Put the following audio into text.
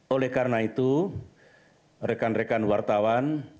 oleh karena itu rekan rekan wartawan